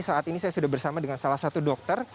saat ini saya sudah bersama dengan salah satu dokter